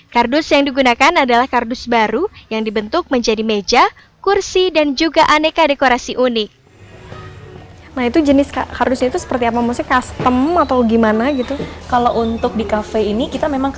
kardus yang digunakan adalah kardus baru yang dibentuk menjadi meja kursi dan juga aneka dekorasi unik